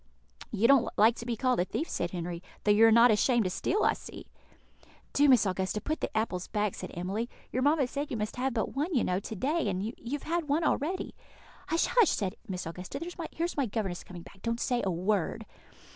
"You don't like to be called a thief," said Henry, "though you are not ashamed to steal, I see." "Do, Miss Augusta, put the apples back," said Emily; "your mamma said you must have but one, you know, to day, and you have had one already." "Hush, hush!" said Miss Augusta; "here's my governess coming back. Don't say a word."